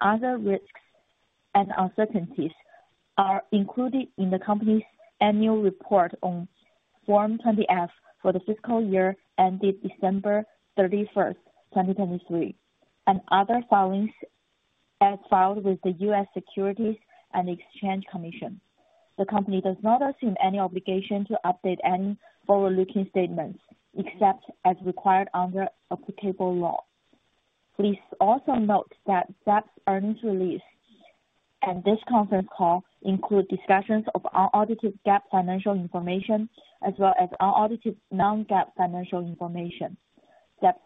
Other risks and uncertainties are included in the company's annual report on Form 20-F for the fiscal year ended December 31, 2023, and other filings as filed with the U.S. Securities and Exchange Commission. The company does not assume any obligation to update any forward-looking statements except as required under applicable law. Please also note that Zepp's earnings release and this conference call include discussions of unaudited GAAP financial information as well as unaudited non-GAAP financial information. Zepp's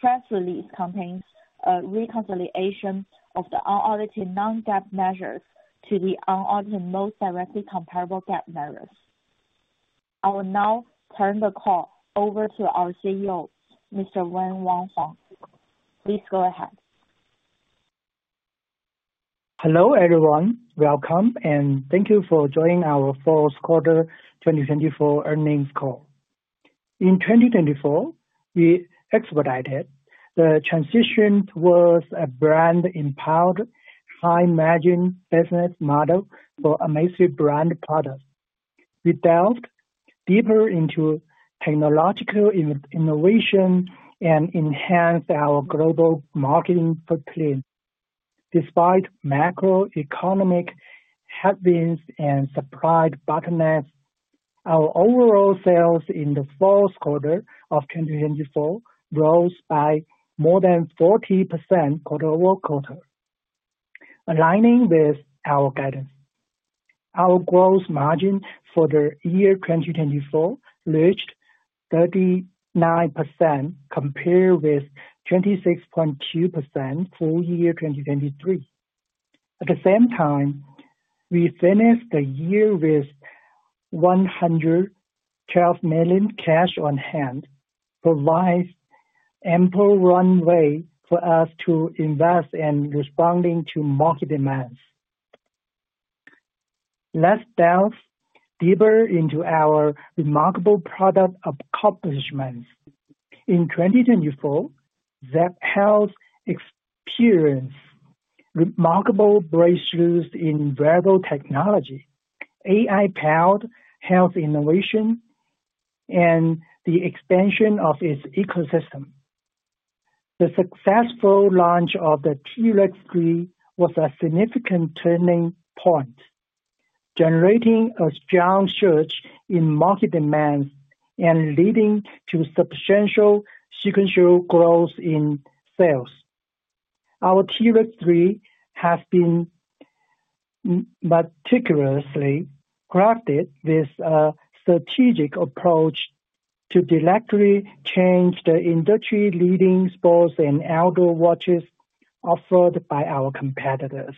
press release contains a reconciliation of the unaudited non-GAAP measures to the unaudited most directly comparable GAAP measures. I will now turn the call over to our CEO, Mr. Wayne Wang Huang. Please go ahead. Hello everyone, welcome, and thank you for joining our fourth quarter 2024 earnings call. In 2024, we expedited the transition towards a brand-empowered, high-margin business model for Amazfit brand products. We delved deeper into technological innovation and enhanced our global marketing footprint. Despite macroeconomic headwinds and supply bottlenecks, our overall sales in the fourth quarter of 2024 rose by more than 40% quarter-over-quarter, aligning with our guidance. Our gross margin for the year 2024 reached 39% compared with 26.2% full year 2023. At the same time, we finished the year with $112 million cash on hand, providing ample runway for us to invest and respond to market demands. Let's delve deeper into our remarkable product accomplishments. In 2024, Zepp Health experienced remarkable breakthroughs in wearable technology, AI-powered health innovation, and the expansion of its ecosystem. The successful launch of the T-Rex 3 was a significant turning point, generating a strong surge in market demand and leading to substantial sequential growth in sales. Our T-Rex 3 has been meticulously crafted with a strategic approach to directly change the industry-leading sports and outdoor watches offered by our competitors.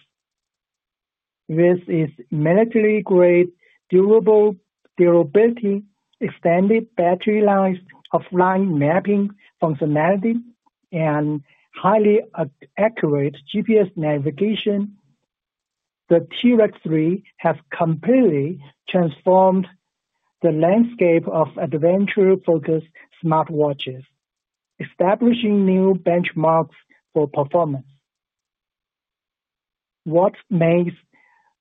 With its military-grade durability, extended battery life, offline mapping functionality, and highly accurate GPS navigation, the T-Rex 3 has completely transformed the landscape of adventure-focused smartwatches, establishing new benchmarks for performance. What makes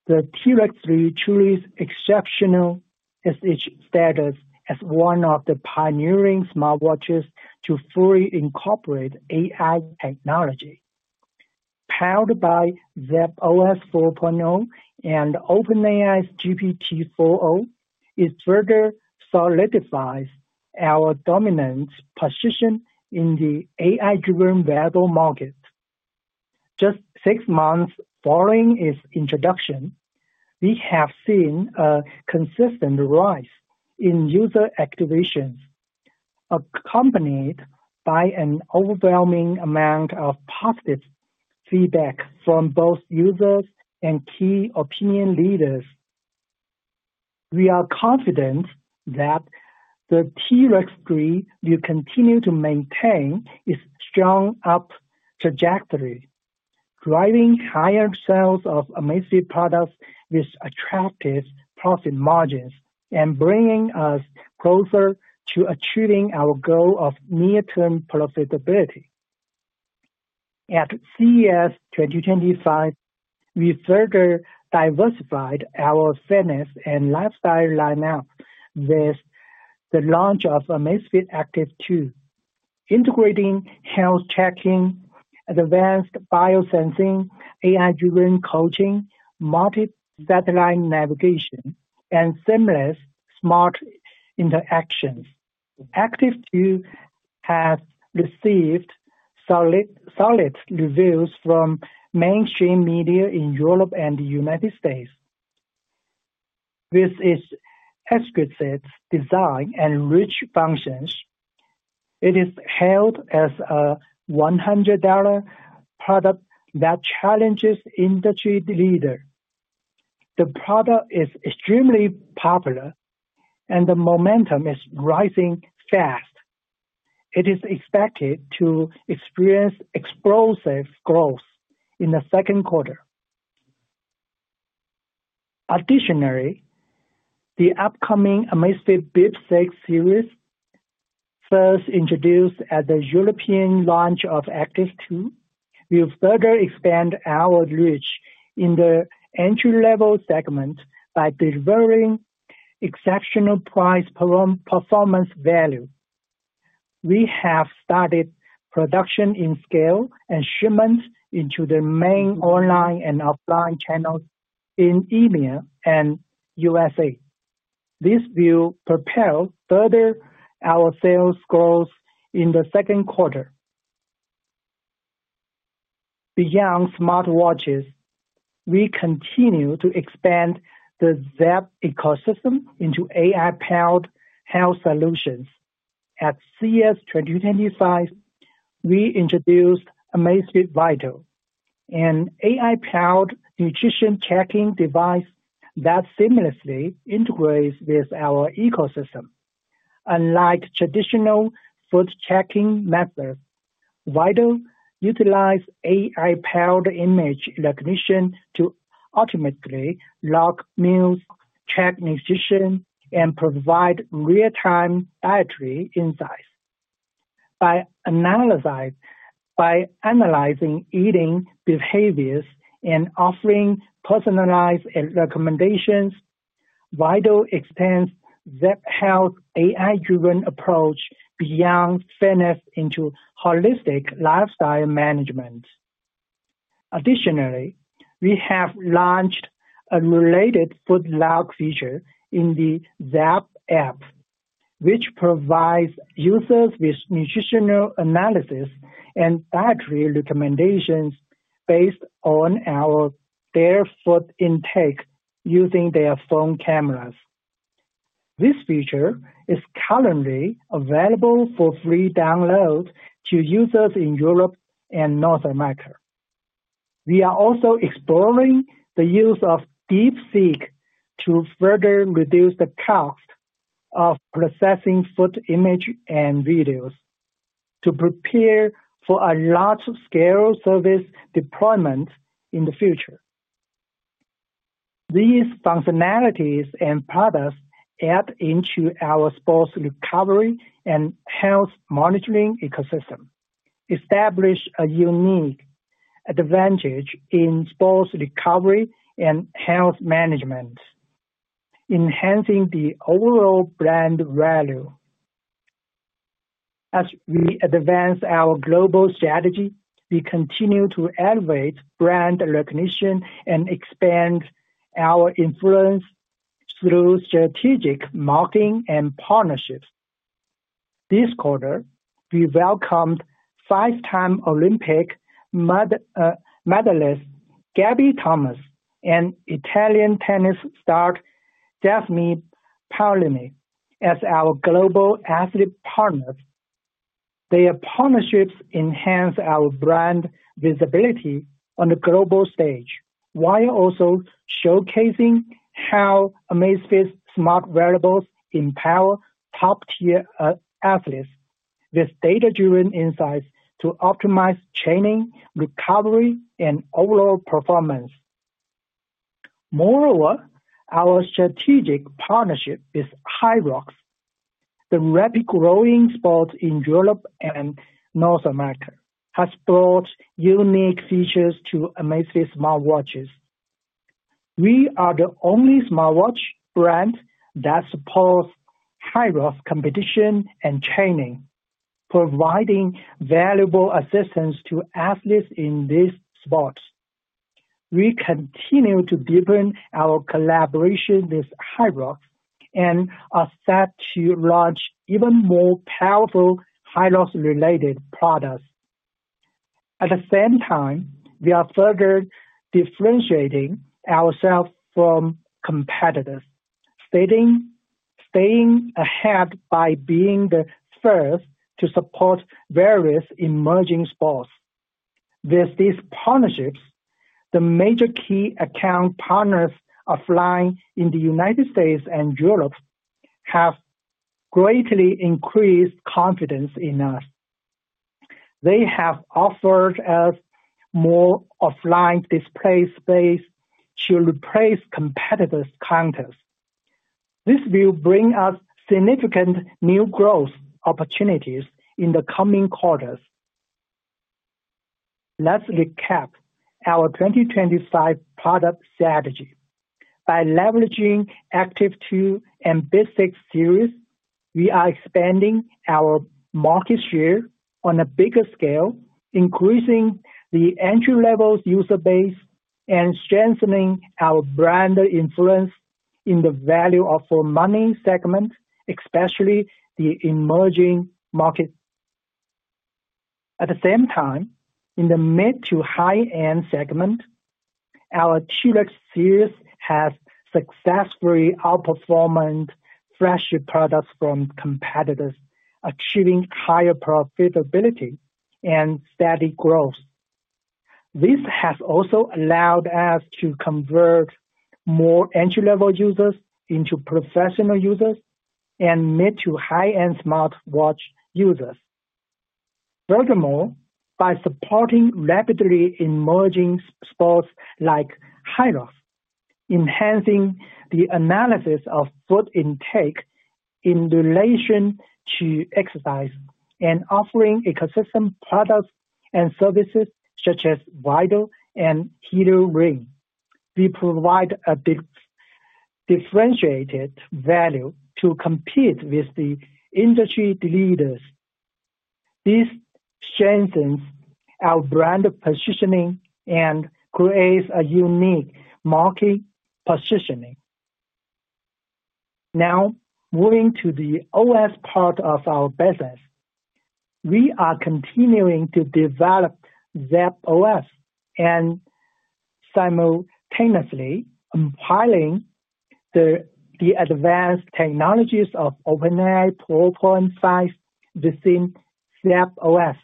the T-Rex 3 truly exceptional is its status as one of the pioneering smartwatches to fully incorporate AI technology. Powered by Zepp OS 4.0 and OpenAI's GPT-4o, it further solidifies our dominant position in the AI-driven wearable market. Just six months following its introduction, we have seen a consistent rise in user activations, accompanied by an overwhelming amount of positive feedback from both users and key opinion leaders. We are confident that the T-Rex 3 will continue to maintain its strong up-trajectory, driving higher sales of Amazfit products with attractive profit margins and bringing us closer to achieving our goal of near-term profitability. At CES 2025, we further diversified our fitness and lifestyle lineup with the launch of Amazfit Active 2, integrating health tracking, advanced biosensing, AI-driven coaching, multi-satellite navigation, and seamless smart interactions. Active 2 has received solid reviews from mainstream media in Europe and the United States. With its exquisite design and rich functions, it is hailed as a $100 product that challenges industry leaders. The product is extremely popular, and the momentum is rising fast. It is expected to experience explosive growth in the second quarter. Additionally, the upcoming Amazfit Bip 6 series, first introduced at the European launch of Active 2, will further expand our reach in the entry-level segment by delivering exceptional price-performance value. We have started production in scale and shipment into the main online and offline channels in India and the U.S.A. This will propel further our sales growth in the second quarter. Beyond smartwatches, we continue to expand the Zepp ecosystem into AI-powered health solutions. At CES 2025, we introduced Amazfit V1TAL, an AI-powered nutrition tracking device that seamlessly integrates with our ecosystem. Unlike traditional food tracking methods, V1TAL utilizes AI-powered image recognition to ultimately log meals, track nutrition, and provide real-time dietary insights. By analyzing eating behaviors and offering personalized recommendations, V1TAL extends Zepp Health's AI-driven approach beyond fitness into holistic lifestyle management. Additionally, we have launched a related food log feature in the Zepp app, which provides users with nutritional analysis and dietary recommendations based on their food intake using their phone cameras. This feature is currently available for free download to users in Europe and North America. We are also exploring the use of DeepSeek to further reduce the cost of processing food images and videos to prepare for a large-scale service deployment in the future. These functionalities and products add into our sports recovery and health monitoring ecosystem, establishing a unique advantage in sports recovery and health management, enhancing the overall brand value. As we advance our global strategy, we continue to elevate brand recognition and expand our influence through strategic marketing and partnerships. This quarter, we welcomed five-time Olympic medalist Gabby Thomas and Italian tennis star Jasmine Paolini as our global athlete partners. Their partnerships enhance our brand visibility on the global stage, while also showcasing how Amazfit's smart wearables empower top-tier athletes with data-driven insights to optimize training, recovery, and overall performance. Moreover, our strategic partnership with HYROX, the rapidly growing sport in Europe and North America, has brought unique features to Amazfit smartwatches. We are the only smartwatch brand that supports HYROX competition and training, providing valuable assistance to athletes in this sport. We continue to deepen our collaboration with HYROX and are set to launch even more powerful HYROX-related products. At the same time, we are further differentiating ourselves from competitors, staying ahead by being the first to support various emerging sports. With these partnerships, the major key account partners offline in the United States and Europe have greatly increased confidence in us. They have offered us more offline display space to replace competitors' counters. This will bring us significant new growth opportunities in the coming quarters. Let's recap our 2025 product strategy. By leveraging Active 2 and Bip 6 series, we are expanding our market share on a bigger scale, increasing the entry-level user base and strengthening our brand influence in the value-for-money segment, especially the emerging market. At the same time, in the mid-to-high-end segment, our T-Rex series has successfully outperformed flagship products from competitors, achieving higher profitability and steady growth. This has also allowed us to convert more entry-level users into professional users and mid-to-high-end smartwatch users. Furthermore, by supporting rapidly emerging sports like HYROX, enhancing the analysis of food intake in relation to exercise, and offering ecosystem products and services such as V1TAL and Helio Ring, we provide a differentiated value to compete with the industry leaders. This strengthens our brand positioning and creates a unique market positioning. Now, moving to the OS part of our business, we are continuing to develop Zepp OS and simultaneously compiling the advanced technologies of OpenAI 4.5 within Zepp OS.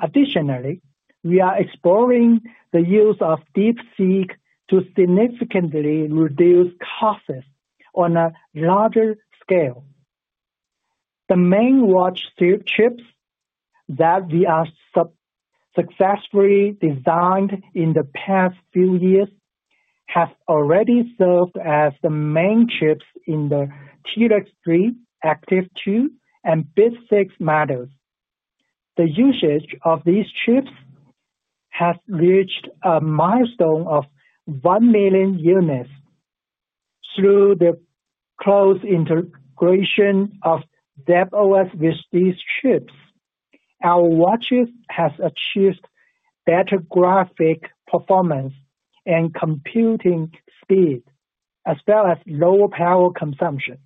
Additionally, we are exploring the use of DeepSeek to significantly reduce costs on a larger scale. The main watch chips that we have successfully designed in the past few years have already served as the main chips in the T-Rex 3, Active 2, and Bip 6 models. The usage of these chips has reached a milestone of 1 million units. Through the close integration of Zepp OS with these chips, our watches have achieved better graphic performance and computing speed, as well as lower power consumption.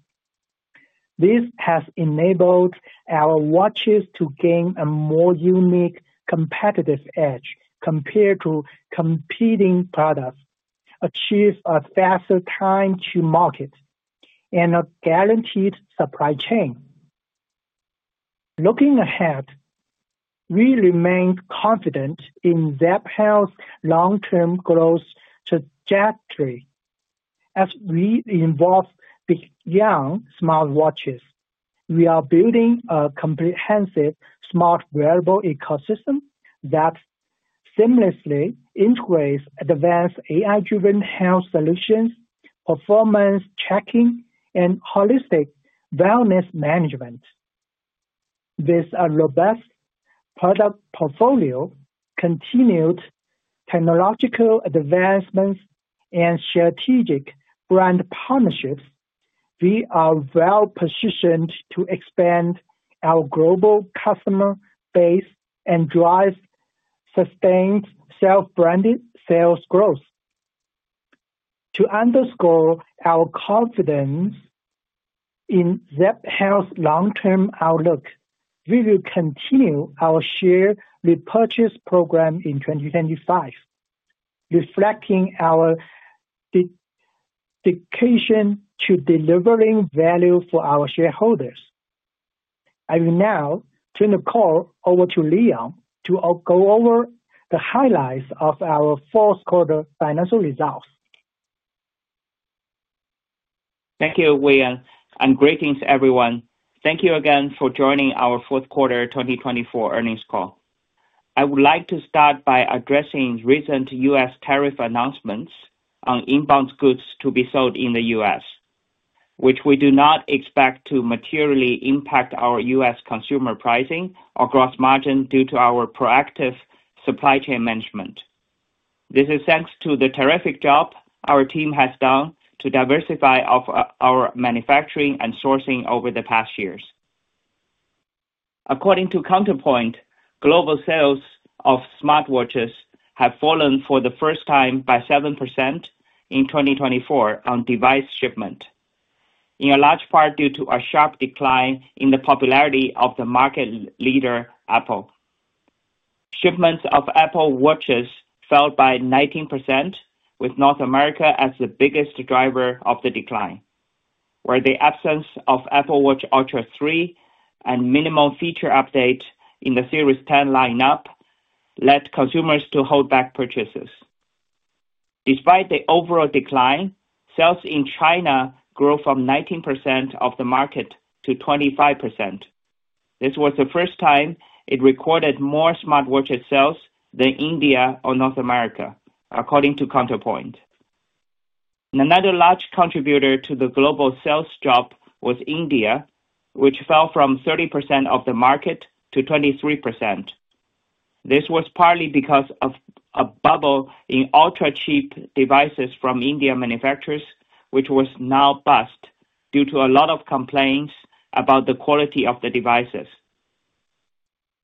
This has enabled our watches to gain a more unique competitive edge compared to competing products, achieve a faster time-to-market, and a guaranteed supply chain. Looking ahead, we remain confident in Zepp Health's long-term growth trajectory. As we evolve beyond smartwatches, we are building a comprehensive smart wearable ecosystem that seamlessly integrates advanced AI-driven health solutions, performance tracking, and holistic wellness management. With a robust product portfolio, continued technological advancements, and strategic brand partnerships, we are well-positioned to expand our global customer base and drive sustained self-branded sales growth. To underscore our confidence in Zepp Health's long-term outlook, we will continue our share repurchase program in 2025, reflecting our dedication to delivering value for our shareholders. I will now turn the call over to Leon to go over the highlights of our fourth quarter financial results. Thank you, Wayne, and greetings everyone. Thank you again for joining our fourth quarter 2024 earnings call. I would like to start by addressing recent U.S. tariff announcements on inbound goods to be sold in the U.S., which we do not expect to materially impact our U.S. consumer pricing or gross margin due to our proactive supply chain management. This is thanks to the terrific job our team has done to diversify our manufacturing and sourcing over the past years. According to Counterpoint, global sales of smartwatches have fallen for the first time by 7% in 2024 on device shipment, in a large part due to a sharp decline in the popularity of the market leader, Apple. Shipments of Apple Watches fell by 19%, with North America as the biggest driver of the decline, where the absence of Apple Watch Ultra 3 and minimal feature updates in the Series 10 lineup led consumers to hold back purchases. Despite the overall decline, sales in China grew from 19% of the market to 25%. This was the first time it recorded more smartwatch sales than India or North America, according to Counterpoint. Another large contributor to the global sales drop was India, which fell from 30% of the market to 23%. This was partly because of a bubble in ultra-cheap devices from India manufacturers, which was now bust due to a lot of complaints about the quality of the devices.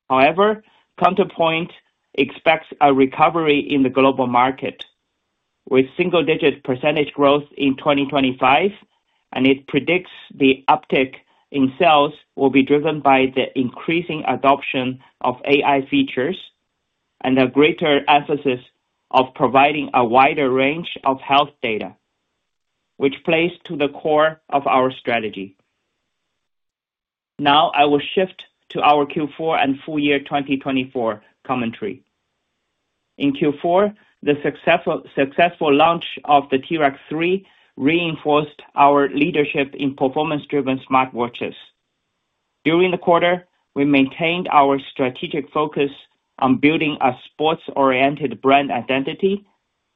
However, Counterpoint expects a recovery in the global market, with single-digit percentage growth in 2025, and it predicts the uptick in sales will be driven by the increasing adoption of AI features and a greater emphasis on providing a wider range of health data, which plays to the core of our strategy. Now, I will shift to our Q4 and full-year 2024 commentary. In Q4, the successful launch of the T-Rex 3 reinforced our leadership in performance-driven smartwatches. During the quarter, we maintained our strategic focus on building a sports-oriented brand identity,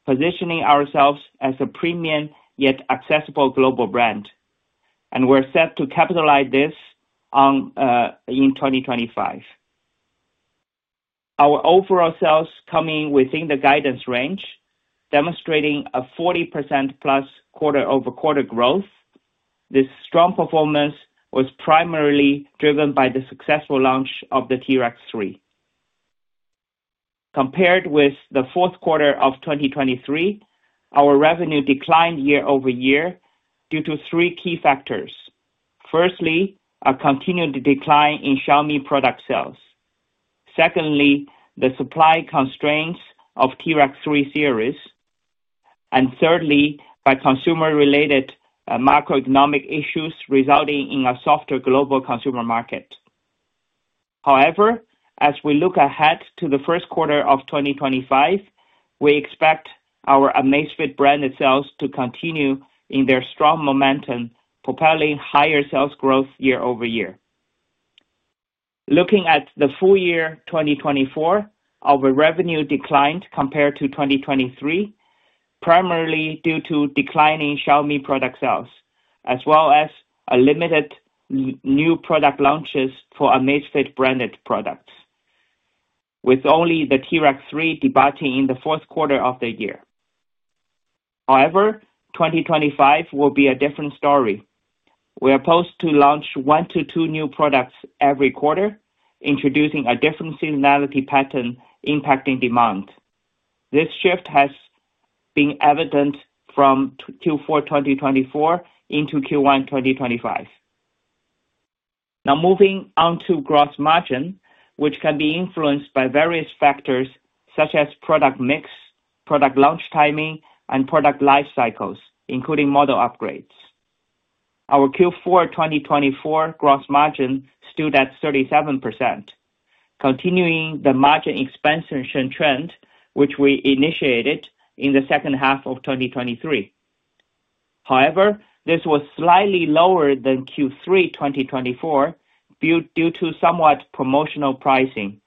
positioning ourselves as a premium yet accessible global brand, and we are set to capitalize this in 2025. Our overall sales came within the guidance range, demonstrating a 40%+ quarter-over-quarter growth. This strong performance was primarily driven by the successful launch of the T-Rex 3. Compared with the fourth quarter of 2023, our revenue declined year-over-year due to three key factors. Firstly, a continued decline in Xiaomi product sales. Secondly, the supply constraints of T-Rex 3 series. Thirdly, by consumer-related macroeconomic issues resulting in a softer global consumer market. However, as we look ahead to the first quarter of 2025, we expect our Amazfit brand itself to continue in their strong momentum, propelling higher sales growth year-over-year. Looking at the full year 2024, our revenue declined compared to 2023, primarily due to declining Xiaomi product sales, as well as limited new product launches for Amazfit-branded products, with only the T-Rex 3 debuting in the fourth quarter of the year. However, 2025 will be a different story. We are poised to launch one to two new products every quarter, introducing a different seasonality pattern impacting demand. This shift has been evident from Q4 2024 into Q1 2025. Now, moving on to gross margin, which can be influenced by various factors such as product mix, product launch timing, and product life cycles, including model upgrades. Our Q4 2024 gross margin stood at 37%, continuing the margin expansion trend which we initiated in the second half of 2023. However, this was slightly lower than Q3 2024 due to somewhat promotional pricing,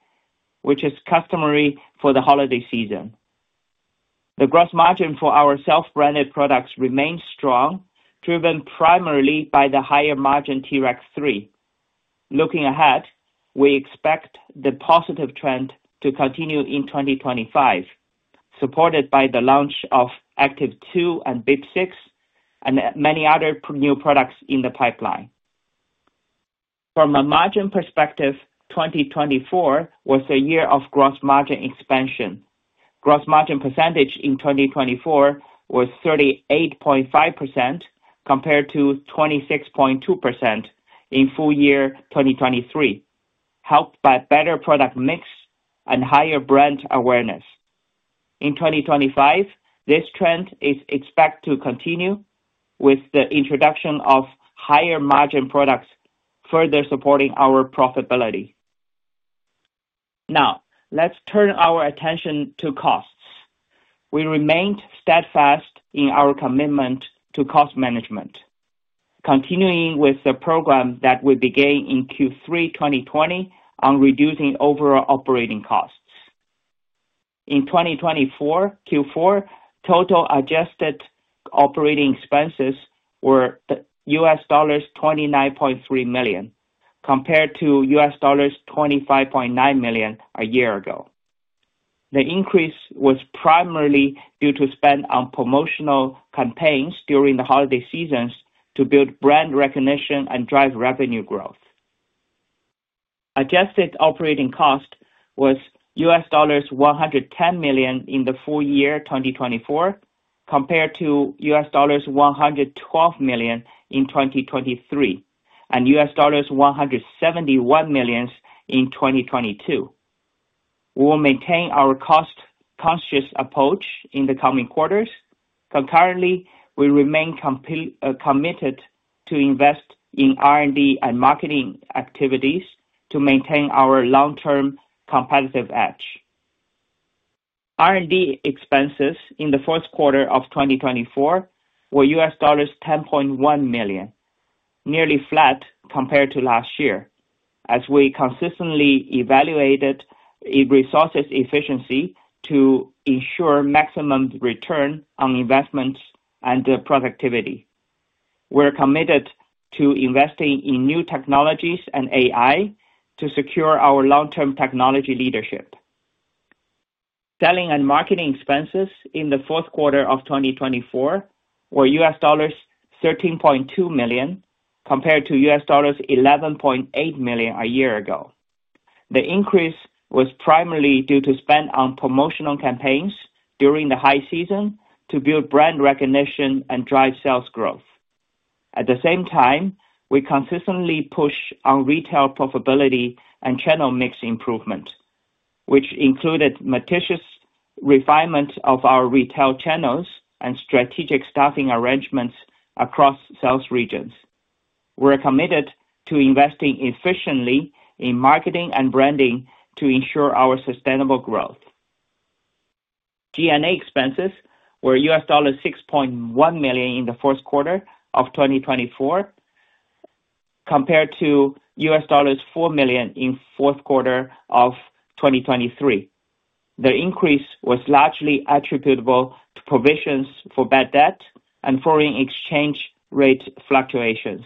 which is customary for the holiday season. The gross margin for our self-branded products remains strong, driven primarily by the higher-margin T-Rex 3. Looking ahead, we expect the positive trend to continue in 2025, supported by the launch of Active 2 and Bip 6, and many other new products in the pipeline. From a margin perspective, 2024 was a year of gross margin expansion. Gross margin percentage in 2024 was 38.5% compared to 26.2% in full year 2023, helped by better product mix and higher brand awareness. In 2025, this trend is expected to continue with the introduction of higher-margin products, further supporting our profitability. Now, let's turn our attention to costs. We remained steadfast in our commitment to cost management, continuing with the program that we began in Q3 2020 on reducing overall operating costs. In 2024 Q4, total adjusted operating expenses were $29.3 million compared to $25.9 million a year ago. The increase was primarily due to spend on promotional campaigns during the holiday seasons to build brand recognition and drive revenue growth. Adjusted operating cost was $110 million in the full year 2024, compared to $112 million in 2023 and $171 million in 2022. We will maintain our cost-conscious approach in the coming quarters. Concurrently, we remain committed to invest in R&D and marketing activities to maintain our long-term competitive edge. R&D expenses in the fourth quarter of 2024 were $10.1 million, nearly flat compared to last year, as we consistently evaluated resources efficiency to ensure maximum return on investments and productivity. We're committed to investing in new technologies and AI to secure our long-term technology leadership. Selling and marketing expenses in the fourth quarter of 2024 were $13.2 million compared to $11.8 million a year ago. The increase was primarily due to spend on promotional campaigns during the high season to build brand recognition and drive sales growth. At the same time, we consistently pushed on retail profitability and channel mix improvement, which included meticulous refinement of our retail channels and strategic staffing arrangements across sales regions. We're committed to investing efficiently in marketing and branding to ensure our sustainable growth. G&A expenses were $6.1 million in the fourth quarter of 2024, compared to $4 million in the fourth quarter of 2023. The increase was largely attributable to provisions for bad debt and foreign exchange rate fluctuations.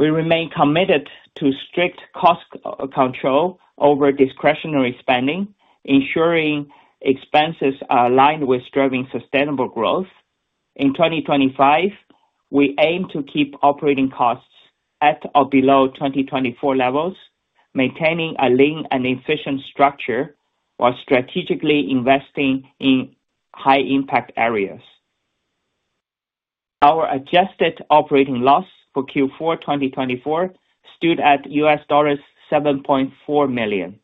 We remain committed to strict cost control over discretionary spending, ensuring expenses are aligned with driving sustainable growth. In 2025, we aim to keep operating costs at or below 2024 levels, maintaining a lean and efficient structure while strategically investing in high-impact areas. Our adjusted operating loss for Q4 2024 stood at $7.4 million.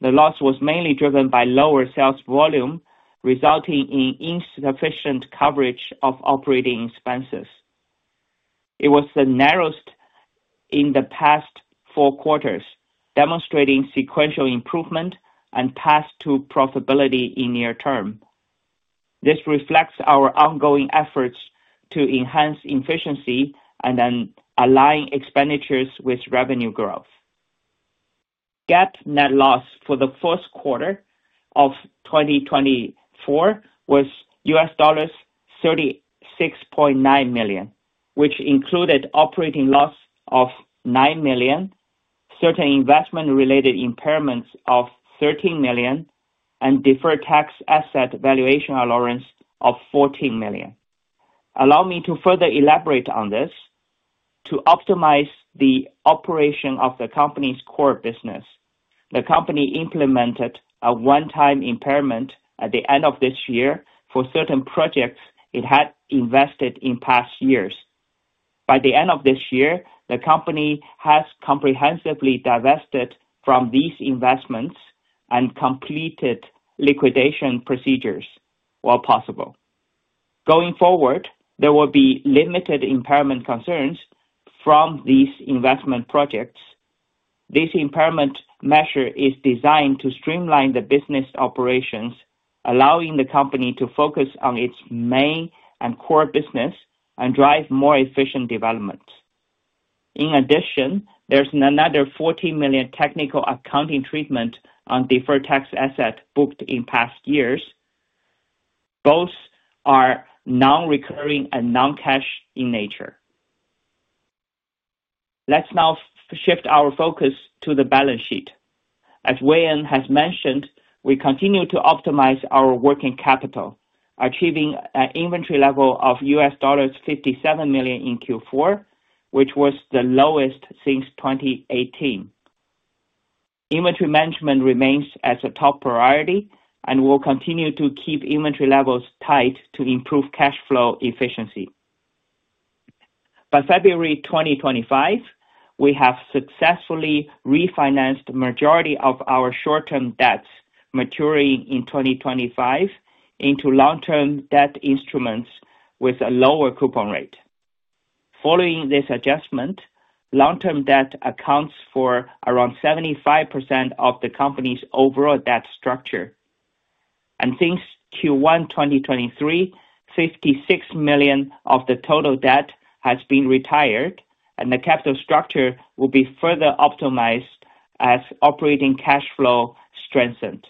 The loss was mainly driven by lower sales volume, resulting in insufficient coverage of operating expenses. It was the narrowest in the past four quarters, demonstrating sequential improvement and path to profitability in near term. This reflects our ongoing efforts to enhance efficiency and align expenditures with revenue growth. GAAP net loss for the fourth quarter of 2024 was $36.9 million, which included operating loss of $9 million, certain investment-related impairments of $13 million, and deferred tax asset valuation allowance of $14 million. Allow me to further elaborate on this. To optimize the operation of the company's core business, the company implemented a one-time impairment at the end of this year for certain projects it had invested in past years. By the end of this year, the company has comprehensively divested from these investments and completed liquidation procedures while possible. Going forward, there will be limited impairment concerns from these investment projects. This impairment measure is designed to streamline the business operations, allowing the company to focus on its main and core business and drive more efficient development. In addition, there's another $14 million technical accounting treatment on deferred tax asset booked in past years. Both are non-recurring and non-cash in nature. Let's now shift our focus to the balance sheet. As Wayne has mentioned, we continue to optimize our working capital, achieving an inventory level of $57 million in Q4, which was the lowest since 2018. Inventory management remains as a top priority and will continue to keep inventory levels tight to improve cash flow efficiency. By February 2025, we have successfully refinanced the majority of our short-term debts maturing in 2025 into long-term debt instruments with a lower coupon rate. Following this adjustment, long-term debt accounts for around 75% of the company's overall debt structure. Since Q1 2023, $56 million of the total debt has been retired, and the capital structure will be further optimized as operating cash flow strengthens.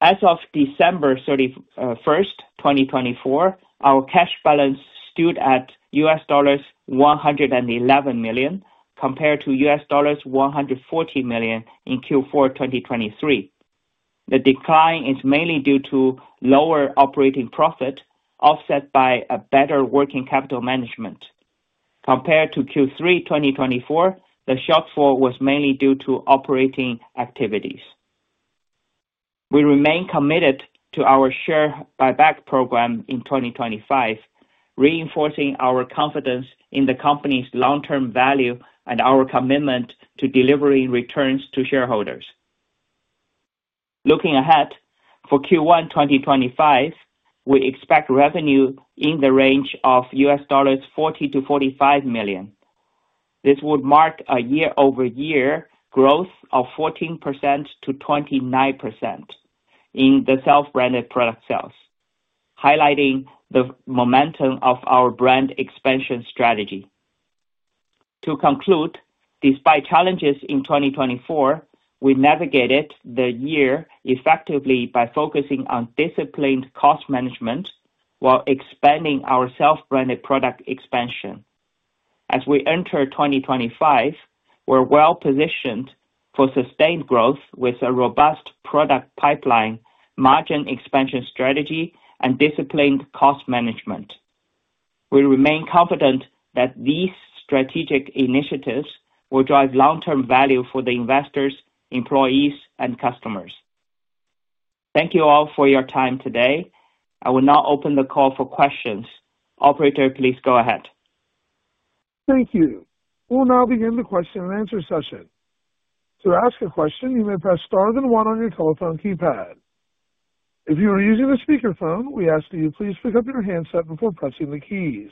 As of December 31st, 2024, our cash balance stood at $111 million compared to $140 million in Q4 2023. The decline is mainly due to lower operating profit offset by better working capital management. Compared to Q3 2024, the shortfall was mainly due to operating activities. We remain committed to our share buyback program in 2025, reinforcing our confidence in the company's long-term value and our commitment to delivering returns to shareholders. Looking ahead, for Q1 2025, we expect revenue in the range of $40 million-$45 million. This would mark a year-over-year growth of 14%-29% in the self-branded product sales, highlighting the momentum of our brand expansion strategy. To conclude, despite challenges in 2024, we navigated the year effectively by focusing on disciplined cost management while expanding our self-branded product expansion. As we enter 2025, we're well-positioned for sustained growth with a robust product pipeline, margin expansion strategy, and disciplined cost management. We remain confident that these strategic initiatives will drive long-term value for the investors, employees, and customers. Thank you all for your time today. I will now open the call for questions. Operator, please go ahead. Thank you. We'll now begin the question-and-answer session. To ask a question, you may press star then one on your telephone keypad. If you are using a speakerphone, we ask that you please pick up your handset before pressing the keys.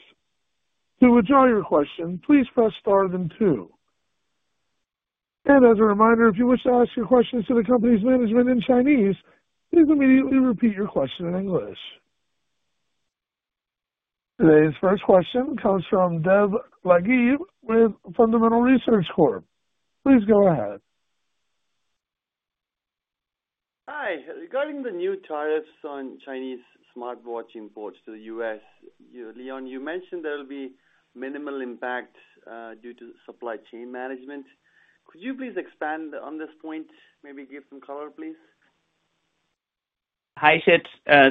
To withdraw your question, please press star then two. As a reminder, if you wish to ask your questions to the company's management in Chinese, please immediately repeat your question in English. Today's first question comes from Sid Rajeev with Fundamental Research Corp. Please go ahead. Hi. Regarding the new tariffs on Chinese smartwatch imports to the U.S., Leon, you mentioned there will be minimal impact due to supply chain management. Could you please expand on this point, maybe give some color, please? Hi, Sid.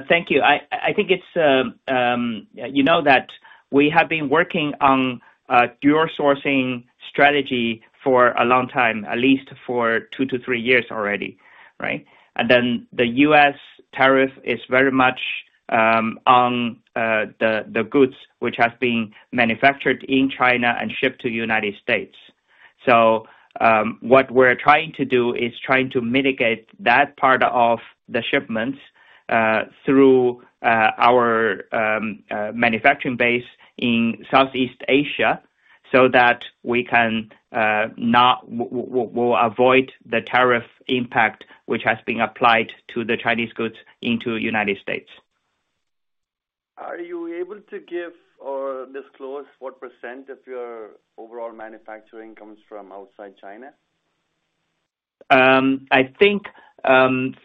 Thank you. I think you know that we have been working on a dual-sourcing strategy for a long time, at least for two to three years already, right? The U.S. tariff is very much on the goods which have been manufactured in China and shipped to the United States. What we are trying to do is trying to mitigate that part of the shipments through our manufacturing base in Southeast Asia so that we will avoid the tariff impact which has been applied to the Chinese goods into the United States. Are you able to give or disclose what percent of your overall manufacturing comes from outside China? I think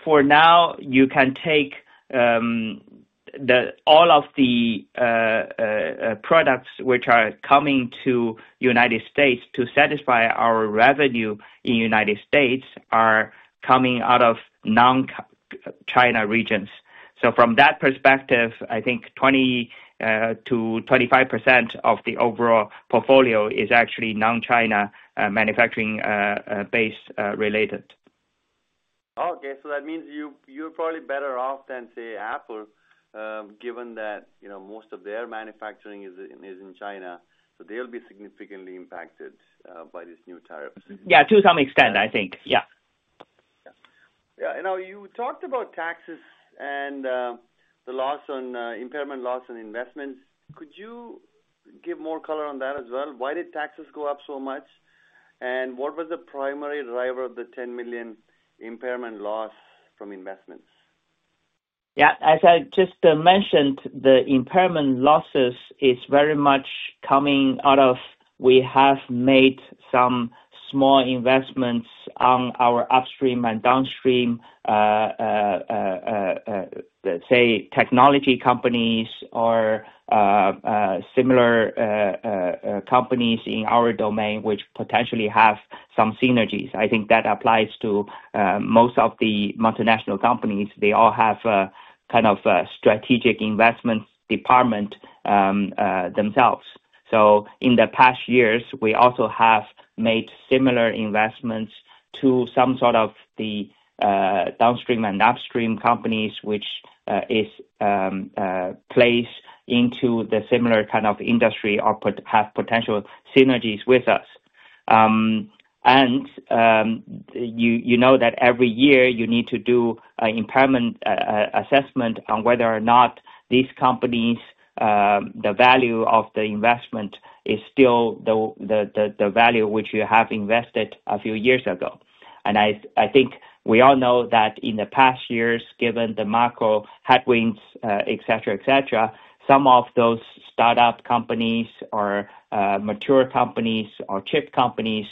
for now, you can take all of the products which are coming to the United States to satisfy our revenue in the United States are coming out of non-China regions. From that perspective, I think 20%-25% of the overall portfolio is actually non-China manufacturing-based related. Okay. That means you're probably better off than, say, Apple, given that most of their manufacturing is in China. They'll be significantly impacted by this new tariff. Yeah, to some extent, I think. Yeah. You talked about taxes and the loss on impairment loss on investments. Could you give more color on that as well? Why did taxes go up so much? What was the primary driver of the $10 million impairment loss from investments? Yeah. As I just mentioned, the impairment losses are very much coming out of we have made some small investments on our upstream and downstream, say, technology companies or similar companies in our domain which potentially have some synergies. I think that applies to most of the multinational companies. They all have a kind of strategic investment department themselves. In the past years, we also have made similar investments to some sort of the downstream and upstream companies which are placed into the similar kind of industry or have potential synergies with us. You know that every year you need to do an impairment assessment on whether or not these companies, the value of the investment is still the value which you have invested a few years ago. I think we all know that in the past years, given the macro headwinds, etc., etc., some of those startup companies or mature companies or chip companies,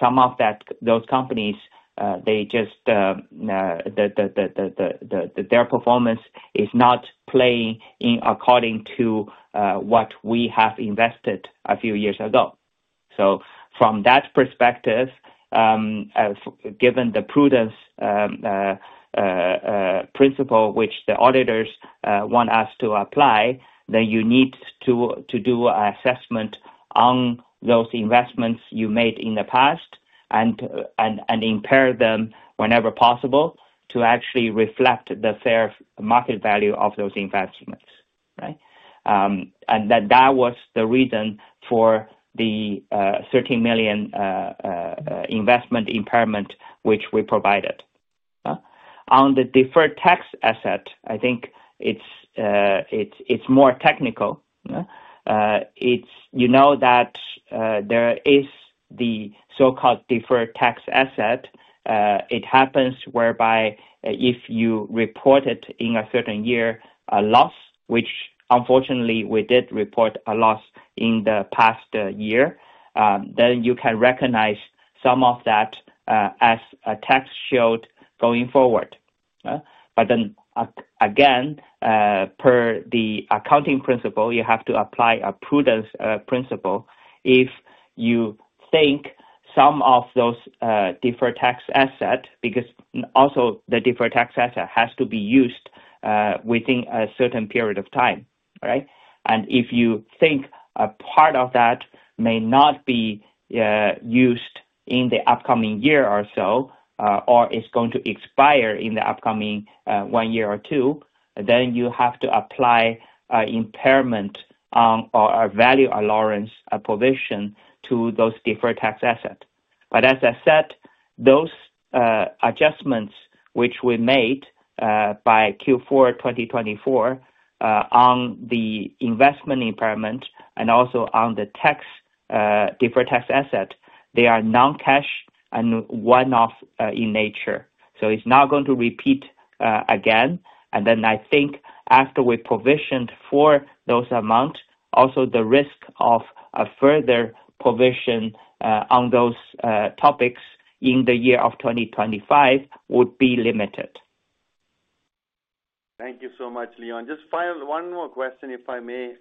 some of those companies, they just their performance is not playing according to what we have invested a few years ago. From that perspective, given the prudence principle which the auditors want us to apply, you need to do an assessment on those investments you made in the past and impair them whenever possible to actually reflect the fair market value of those investments, right? That was the reason for the $13 million investment impairment which we provided. On the deferred tax asset, I think it's more technical. You know that there is the so-called deferred tax asset. It happens whereby if you reported in a certain year a loss, which unfortunately we did report a loss in the past year, then you can recognize some of that as a tax shield going forward. Per the accounting principle, you have to apply a prudence principle if you think some of those deferred tax assets, because also the deferred tax asset has to be used within a certain period of time, right? If you think a part of that may not be used in the upcoming year or so or is going to expire in the upcoming one year or two, you have to apply impairment or a value allowance provision to those deferred tax assets. As I said, those adjustments which we made by Q4 2024 on the investment impairment and also on the deferred tax asset, they are non-cash and one-off in nature. It is not going to repeat again. I think after we provisioned for those amounts, also the risk of a further provision on those topics in the year of 2025 would be limited. Thank you so much, Leon. Just one more question, if I may.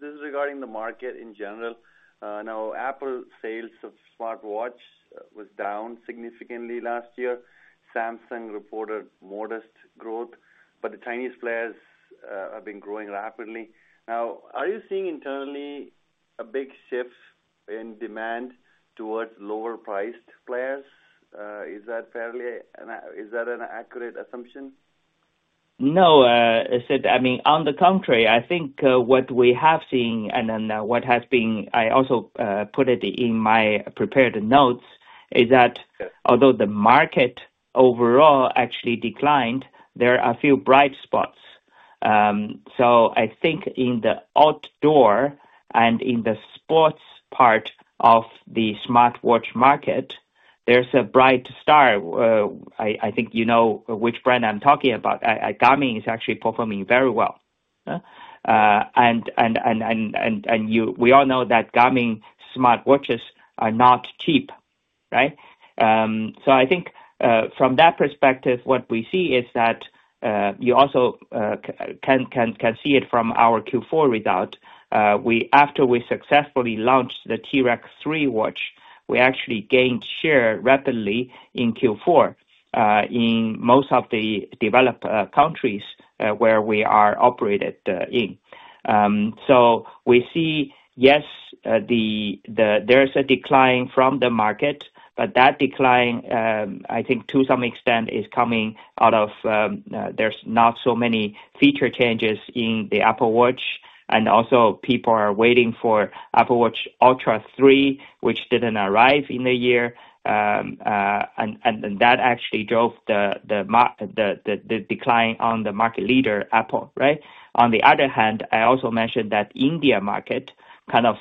This is regarding the market in general. Now, Apple's sales of smartwatches was down significantly last year. Samsung reported modest growth. The Chinese players have been growing rapidly. Now, are you seeing internally a big shift in demand towards lower-priced players? Is that fairly an accurate assumption? No. I mean, on the contrary, I think what we have seen and then what has been, I also put it in my prepared notes, is that although the market overall actually declined, there are a few bright spots. I think in the outdoor and in the sports part of the smartwatch market, there's a bright star. I think you know which brand I'm talking about. Garmin is actually performing very well. And we all know that Garmin smartwatches are not cheap, right? I think from that perspective, what we see is that you also can see it from our Q4 result. After we successfully launched the T-Rex 3 watch, we actually gained share rapidly in Q4 in most of the developed countries where we are operated in. We see, yes, there is a decline from the market, but that decline, I think to some extent, is coming out of there's not so many feature changes in the Apple Watch. Also, people are waiting for Apple Watch Ultra 3, which didn't arrive in the year. That actually drove the decline on the market leader, Apple, right? On the other hand, I also mentioned that India market kind of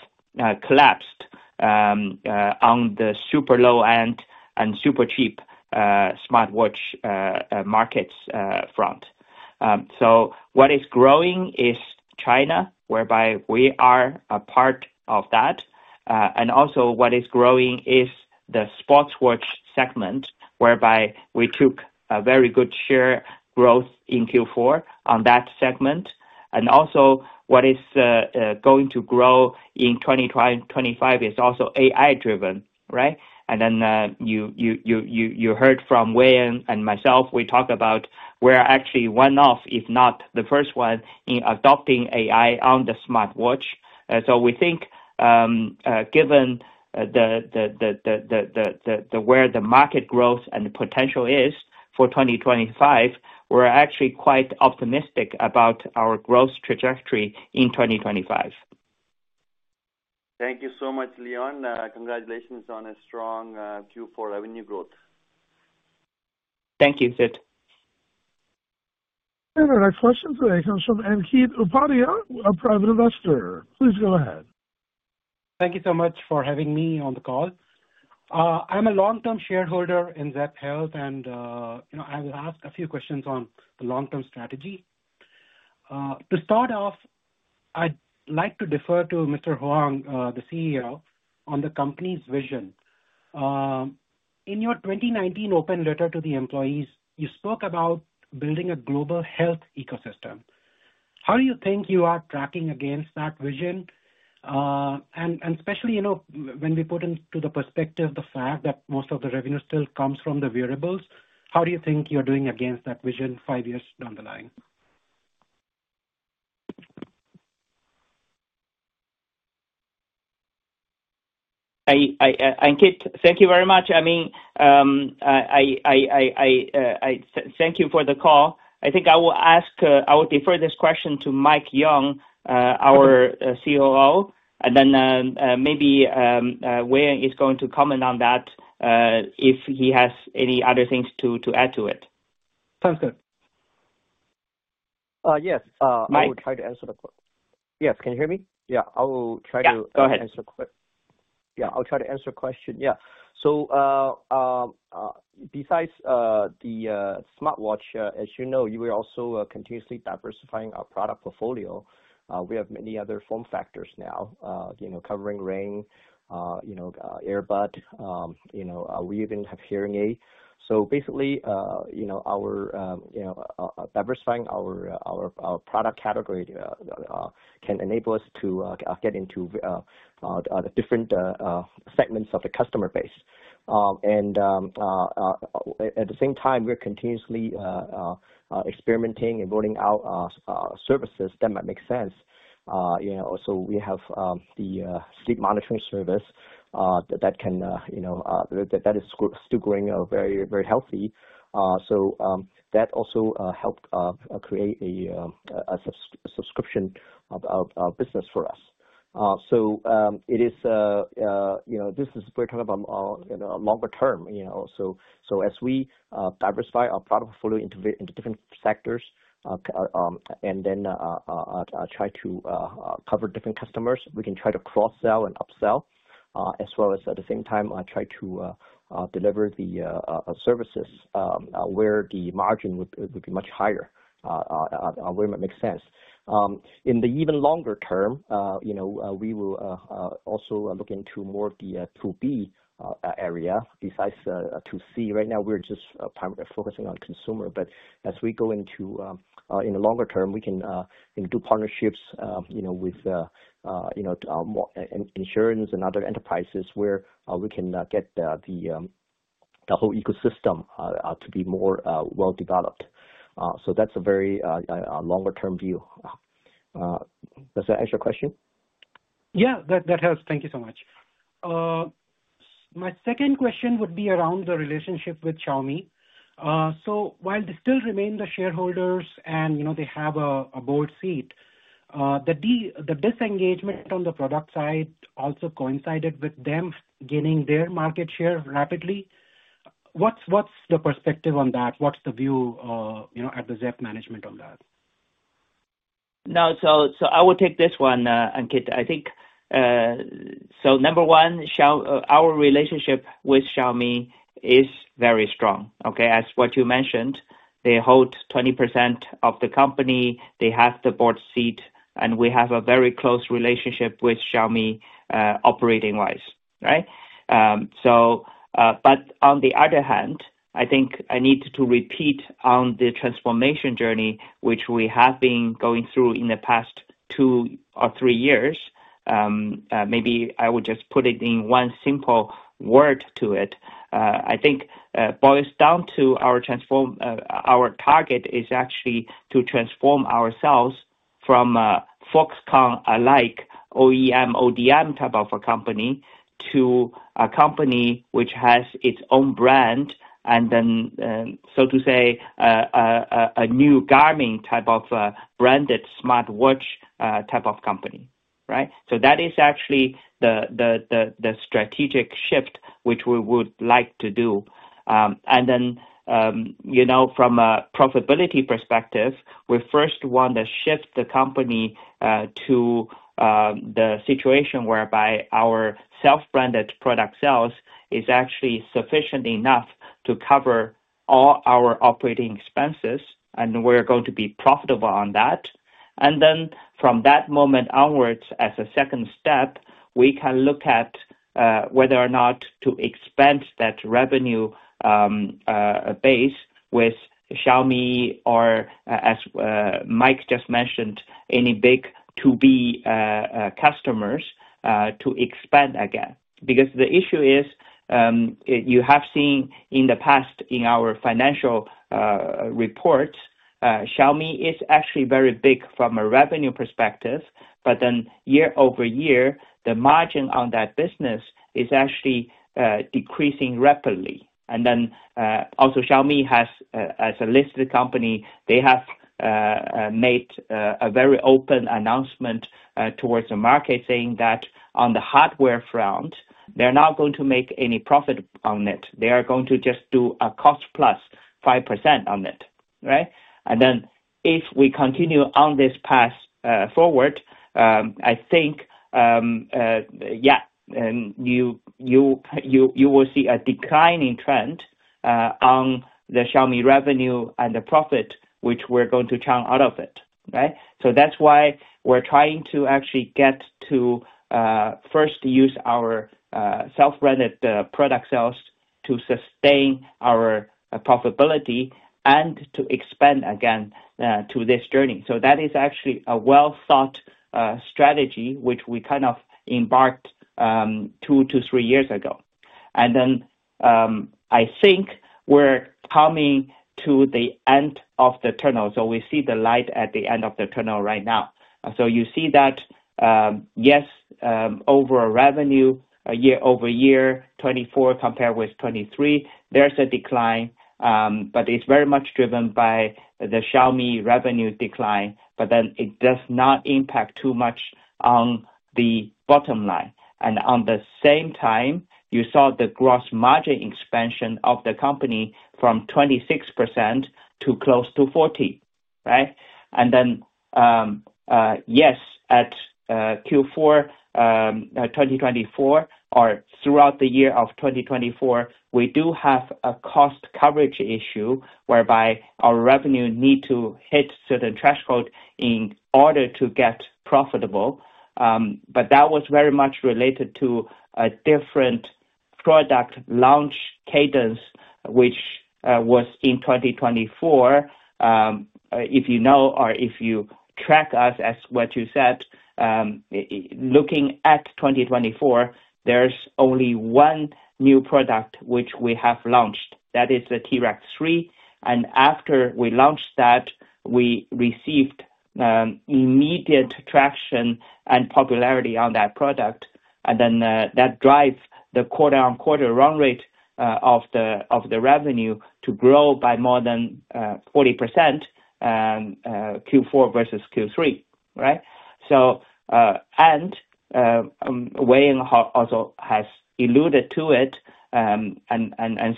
collapsed on the super low-end and super cheap smartwatch markets front. What is growing is China, whereby we are a part of that. What is growing is the sports watch segment, whereby we took a very good share growth in Q4 on that segment. What is going to grow in 2025 is also AI-driven, right? You heard from Wayne and myself, we talked about we're actually one-off, if not the first one, in adopting AI on the smartwatch. We think given where the market growth and potential is for 2025, we're actually quite optimistic about our growth trajectory in 2025. Thank you so much, Leon. Congratulations on a strong Q4 revenue growth. Thank you, Sid. The next question for Ankit Upadhyay, a private investor. Please go ahead. Thank you so much for having me on the call. I'm a long-term shareholder in Zepp Health, and I will ask a few questions on the long-term strategy. To start off, I'd like to defer to Mr. Huang, the CEO, on the company's vision. In your 2019 open letter to the employees, you spoke about building a global health ecosystem. How do you think you are tracking against that vision? Especially when we put into the perspective the fact that most of the revenue still comes from the wearables, how do you think you're doing against that vision five years down the line? Thank you very much. I mean, thank you for the call. I think I will ask, I will defer this question to Mike Yeung, our COO, and then maybe Wayne is going to comment on that if he has any other things to add to it. Sounds good. Yes. I will try to answer the question. Yes. Can you hear me? Yeah. I will try to answer the question. Yeah. I'll try to answer the question. Yeah. Besides the smartwatch, as you know, we are also continuously diversifying our product portfolio. We have many other form factors now, covering ring, earbud. We even have hearing aids. Basically, diversifying our product category can enable us to get into different segments of the customer base. At the same time, we're continuously experimenting and rolling out services that might make sense. We have the sleep monitoring service that is still growing very, very healthy. That also helped create a subscription business for us. It is, this is, we're talking about longer term. As we diversify our product portfolio into different sectors and then try to cover different customers, we can try to cross-sell and upsell, as well as at the same time, try to deliver the services where the margin would be much higher, where it might make sense. In the even longer term, we will also look into more of the 2B area besides 2C. Right now, we're just primarily focusing on consumer. As we go into in the longer term, we can do partnerships with insurance and other enterprises where we can get the whole ecosystem to be more well-developed. That's a very longer-term view. Does that answer your question? Yeah. That helps. Thank you so much. My second question would be around the relationship with Xiaomi. While they still remain the shareholders and they have a board seat, the disengagement on the product side also coincided with them gaining their market share rapidly. What's the perspective on that? What's the view of the Zepp management on that? No. I will take this one, Ankit. I think, number one, our relationship with Xiaomi is very strong, okay? As you mentioned, they hold 20% of the company. They have the board seat, and we have a very close relationship with Xiaomi operating-wise, right? On the other hand, I think I need to repeat on the transformation journey which we have been going through in the past two or three years. Maybe I will just put it in one simple word to it. I think it boils down to our target is actually to transform ourselves from Foxconn-alike OEM, ODM type of a company to a company which has its own brand and then, so to say, a new Garmin type of branded smartwatch type of company, right? That is actually the strategic shift which we would like to do. From a profitability perspective, we first want to shift the company to the situation whereby our self-branded product sales is actually sufficient enough to cover all our operating expenses, and we're going to be profitable on that. From that moment onwards, as a second step, we can look at whether or not to expand that revenue base with Xiaomi or, as Mike just mentioned, any big 2B customers to expand again. Because the issue is you have seen in the past in our financial reports, Xiaomi is actually very big from a revenue perspective, but then year-over-year, the margin on that business is actually decreasing rapidly. Also, Xiaomi has, as a listed company, they have made a very open announcement towards the market saying that on the hardware front, they're not going to make any profit on it. They are going to just do a cost-plus 5% on it, right? If we continue on this path forward, I think, yeah, you will see a declining trend on the Xiaomi revenue and the profit which we're going to churn out of it, right? That's why we're trying to actually get to first use our self-branded product sales to sustain our profitability and to expand again to this journey. That is actually a well-thought strategy which we kind of embarked two to three years ago. I think we're coming to the end of the tunnel. We see the light at the end of the tunnel right now. You see that, yes, over revenue, year-over-year, 2024 compared with 2023, there's a decline, but it's very much driven by the Xiaomi revenue decline. It does not impact too much on the bottom line. At the same time, you saw the gross margin expansion of the company from 26% to close to 40%, right? Yes, at Q4 2024 or throughout the year of 2024, we do have a cost coverage issue whereby our revenue needs to hit certain thresholds in order to get profitable. That was very much related to a different product launch cadence, which was in 2024. If you know or if you track us as what you said, looking at 2024, there's only one new product which we have launched. That is the T-Rex 3. After we launched that, we received immediate traction and popularity on that product. That drives the quarter-on-quarter run rate of the revenue to grow by more than 40% Q4 versus Q3, right? Wayne also has alluded to it, and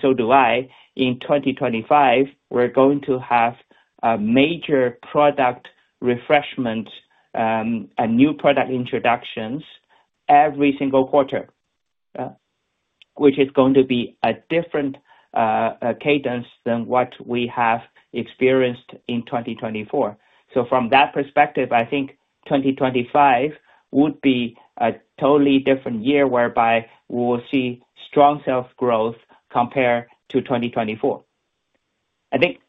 so do I. In 2025, we're going to have a major product refreshment and new product introductions every single quarter, which is going to be a different cadence than what we have experienced in 2024. From that perspective, I think 2025 would be a totally different year whereby we will see strong self-growth compared to 2024. I think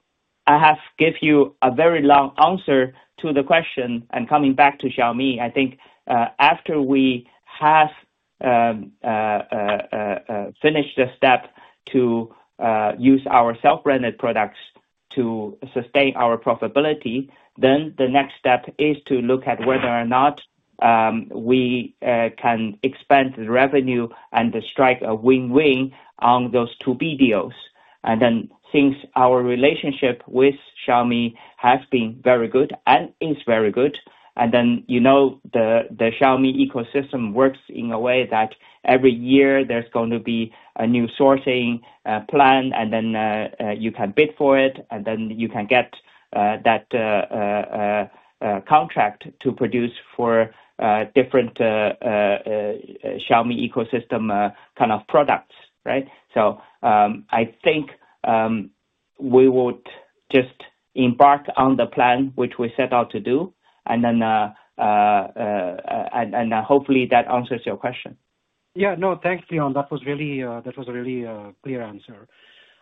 I have given you a very long answer to the question. Coming back to Xiaomi, I think after we have finished the step to use our self-branded products to sustain our profitability, the next step is to look at whether or not we can expand the revenue and strike a win-win on those 2B deals. Since our relationship with Xiaomi has been very good and is very good, the Xiaomi ecosystem works in a way that every year there is going to be a new sourcing plan, and you can bid for it, and you can get that contract to produce for different Xiaomi ecosystem kind of products, right? I think we would just embark on the plan which we set out to do. Hopefully that answers your question. Yeah. No, thanks, Leon. That was really a clear answer.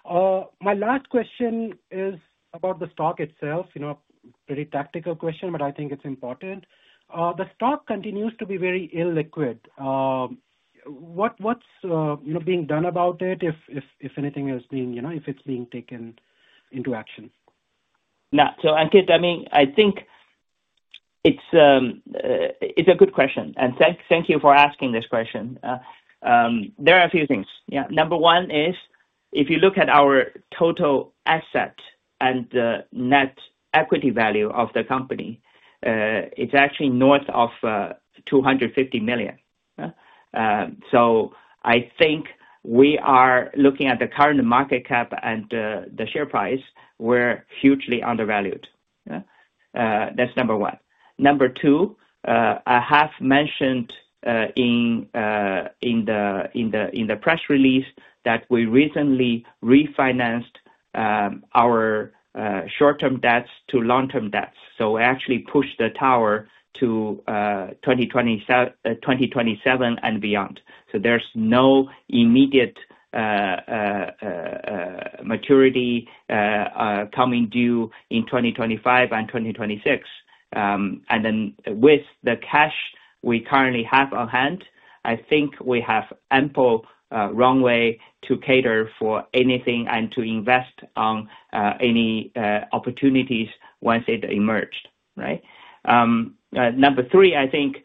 My last question is about the stock itself. Pretty tactical question, but I think it's important. The stock continues to be very illiquid. What's being done about it, if anything is being if it's being taken into action? No. So Ankit, I mean, I think it's a good question. And thank you for asking this question. There are a few things. Yeah. Number one is if you look at our total asset and net equity value of the company, it's actually north of $250 million. So I think we are looking at the current market cap and the share price, we're hugely undervalued. That's number one. Number two, I have mentioned in the press release that we recently refinanced our short-term debts to long-term debts. So we actually pushed the tower to 2027 and beyond. So there's no immediate maturity coming due in 2025 and 2026. With the cash we currently have on hand, I think we have ample runway to cater for anything and to invest on any opportunities once it emerged, right? Number three, I think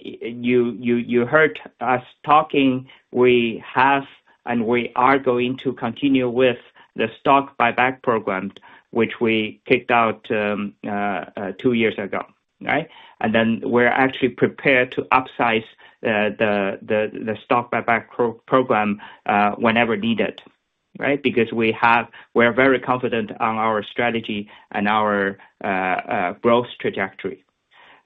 you heard us talking. We have and we are going to continue with the stock buyback program, which we kicked out two years ago, right? We are actually prepared to upsize the stock buyback program whenever needed, right? Because we are very confident on our strategy and our growth trajectory.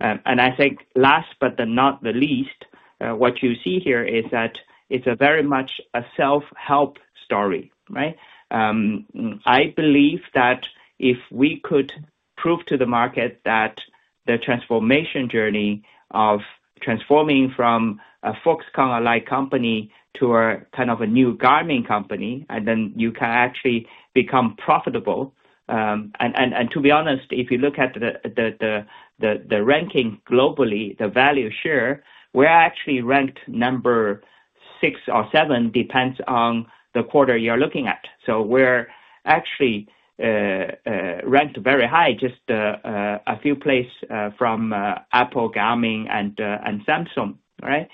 I think last but not the least, what you see here is that it is very much a self-help story, right? I believe that if we could prove to the market that the transformation journey of transforming from a Foxconn-alike company to a kind of a new Garmin company, then you can actually become profitable. To be honest, if you look at the ranking globally, the value share, we're actually ranked number six or seven, depends on the quarter you're looking at. We're actually ranked very high, just a few places from Apple, Garmin, and Samsung, right?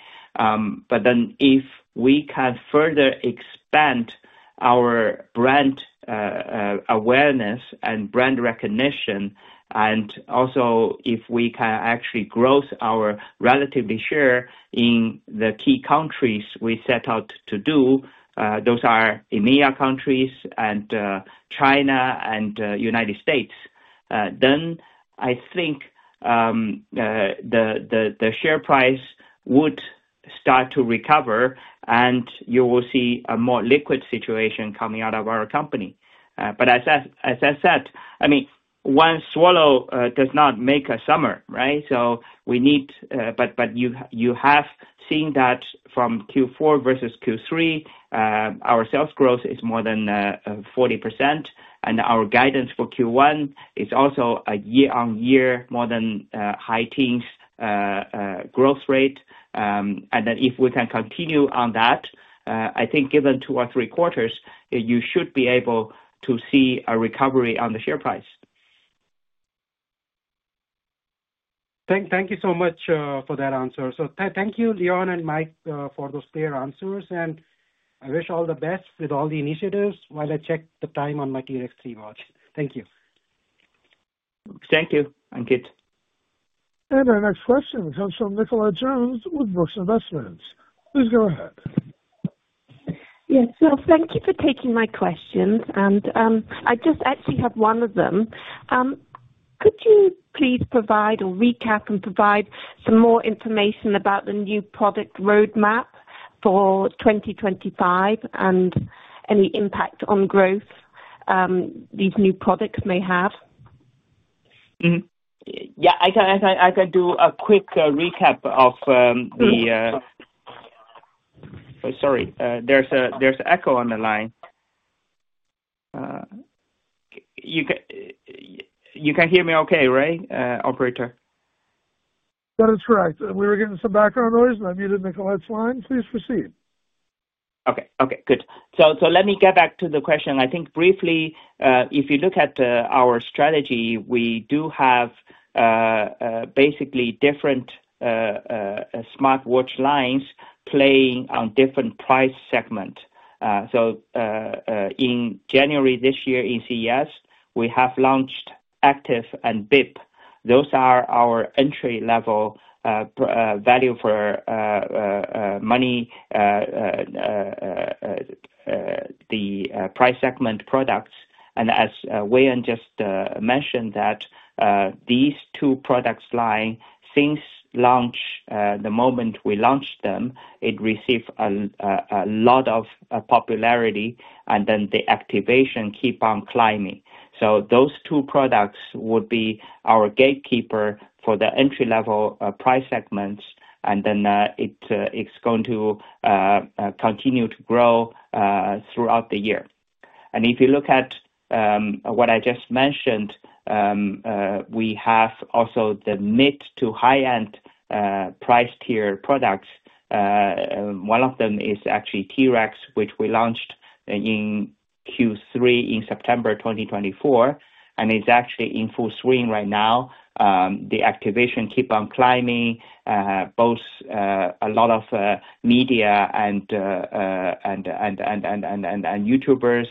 If we can further expand our brand awareness and brand recognition, and also if we can actually grow our relative share in the key countries we set out to do, those are EMEA countries and China and the United States, I think the share price would start to recover, and you will see a more liquid situation coming out of our company. As I said, I mean, one swallow does not make a summer, right? We need, but you have seen that from Q4 versus Q3, our sales growth is more than 40%. Our guidance for Q1 is also a year-on-year more than high teens growth rate. If we can continue on that, I think given two or three quarters, you should be able to see a recovery on the share price. Thank you so much for that answer. Thank you, Leon and Mike, for those clear answers. I wish all the best with all the initiatives while I check the time on my T-Rex 3 watch. Thank you. Thank you, Ankit. Our next question is from [Nicola Jones] with [Brooks] Investments. Please go ahead. Yes, thank you for taking my questions. I just actually have one of them. Could you please provide or recap and provide some more information about the new product roadmap for 2025 and any impact on growth these new products may have? Yeah. I can do a quick recap of the sorry, there's an echo on the line. You can hear me okay, right, operator? That is correct. We were getting some background noise. I muted [Nicola's] line. Please proceed. Okay. Good. Let me get back to the question. I think briefly, if you look at our strategy, we do have basically different smartwatch lines playing on different price segments. In January this year in CES, we have launched Active and Bip. Those are our entry-level value for money, the price segment products. As Wayne just mentioned, these two product lines, since the moment we launched them, it received a lot of popularity, and then the activation keeps on climbing. Those two products would be our gatekeeper for the entry-level price segments, and it is going to continue to grow throughout the year. If you look at what I just mentioned, we have also the mid to high-end price tier products. One of them is actually T-Rex, which we launched in Q3 in September 2024, and it is actually in full swing right now. The activation keeps on climbing. Both a lot of media and YouTubers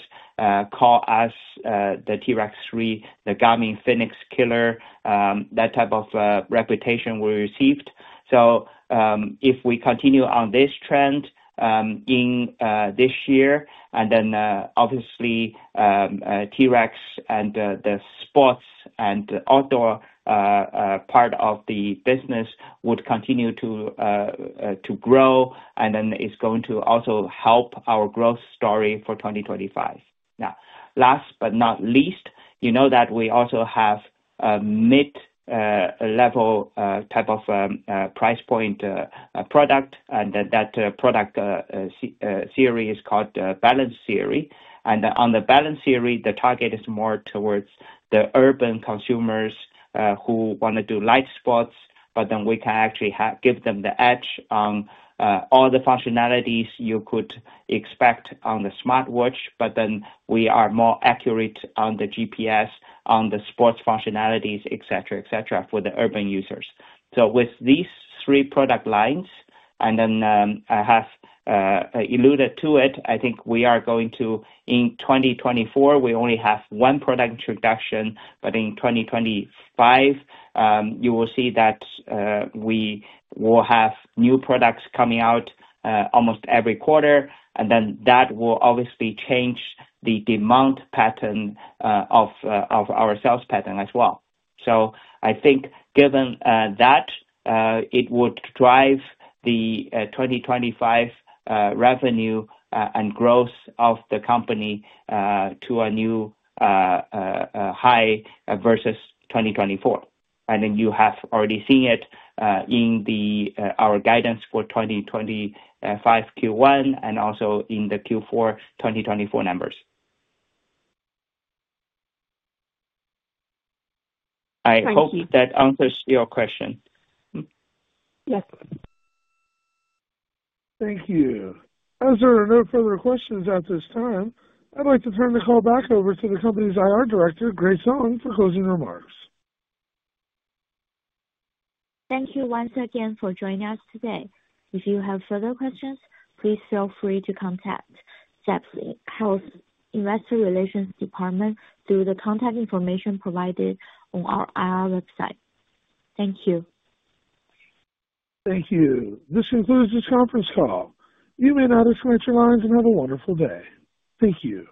call us the T-Rex 3, the Garmin Fenix Killer, that type of reputation we received. If we continue on this trend in this year, then obviously T-Rex and the sports and outdoor part of the business would continue to grow, and it is going to also help our growth story for 2025. Last but not least, you know that we also have mid-level type of price point product, and that product series is called Balance series. On the Balance series, the target is more towards the urban consumers who want to do light sports, but then we can actually give them the edge on all the functionalities you could expect on the smartwatch. We are more accurate on the GPS, on the sports functionalities, etc., for the urban users. With these three product lines, and then I have alluded to it, I think we are going to, in 2024, we only have one product introduction, but in 2025, you will see that we will have new products coming out almost every quarter, and that will obviously change the demand pattern of our sales pattern as well. I think given that, it would drive the 2025 revenue and growth of the company to a new high versus 2024. You have already seen it in our guidance for 2025 Q1 and also in the Q4 2024 numbers. I hope that answers your question. Yes. Thank you. As there are no further questions at this time, I'd like to turn the call back over to the company's IR Director, Grace Zhang, for closing remarks. Thank you once again for joining us today. If you have further questions, please feel free to contact Zepp Health Investor Relations Department through the contact information provided on our IR website. Thank you. Thank you. This concludes this conference call. You may now disconnect your lines and have a wonderful day. Thank you.